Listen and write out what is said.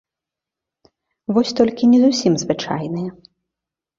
Вось толькі не зусім звычайныя.